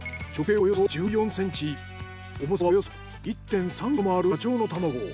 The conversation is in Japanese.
およそ１４ｃｍ重さはおよそ１．３ｋｇもあるダチョウの卵。